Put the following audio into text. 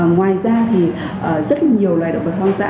ngoài ra thì rất nhiều loài động vật hoang dã